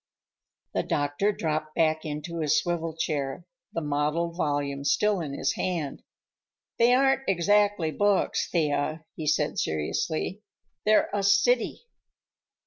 The doctor dropped back into his swivel chair, the mottled volume still in his hand. "They aren't exactly books, Thea," he said seriously. "They're a city."